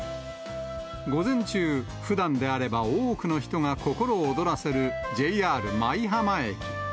午前中、ふだんであれば多くの人が心躍らせるＪＲ舞浜駅。